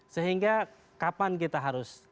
sehingga kapan kita harus